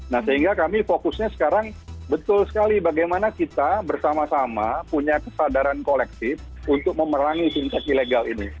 nah sehingga kami fokusnya sekarang betul sekali bagaimana kita bersama sama punya kesadaran kolektif untuk memerangi fintech ilegal ini